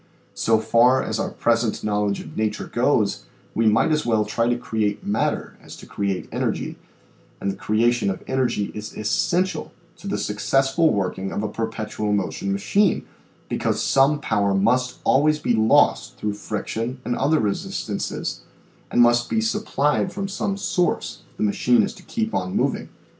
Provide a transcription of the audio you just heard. So far as our present knowledge of nature goes we might as well try to create matter as to create energy, and the creation of energy is essential to the successful working of a per petual motion machine because some power must always be lost through friction and other resistances and must be supplied from some source if the machine is to keep on moving.